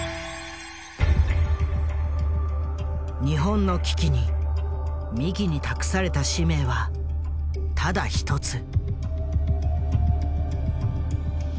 日本の危機に三木に託された使命はただ一つ。